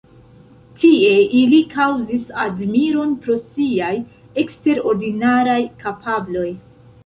Tie, ili kaŭzis admiron pro siaj eksterordinaraj kapabloj.